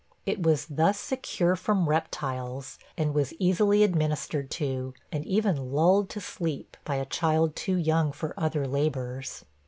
It was thus secure from reptiles and was easily administered to, and even lulled to sleep, by a child too young for other labors.